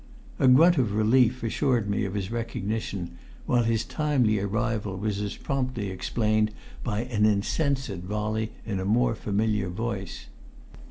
A grunt of relief assured me of his recognition, while his timely arrival was as promptly explained by an insensate volley in a more familiar voice.